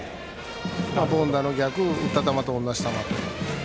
凡打の逆打った球と同じ球という。